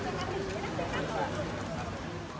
โปรดติดตามตอนต่อไป